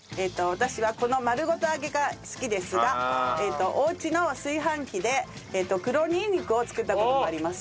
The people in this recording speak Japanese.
私はこの丸ごと揚げが好きですがおうちの炊飯器で黒にんにくを作った事もあります。